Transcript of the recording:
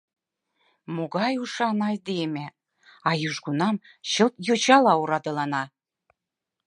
Могай ушан айдеме, а южгунам чылт йочала орадылана.